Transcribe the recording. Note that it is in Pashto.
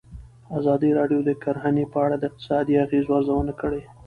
ازادي راډیو د کرهنه په اړه د اقتصادي اغېزو ارزونه کړې.